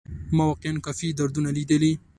ما واقيعا کافي دردونه ليدلي.